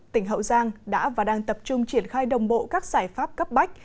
tỉnh hậu giang đã và đang tập trung triển khai đồng bộ các giải pháp cấp bách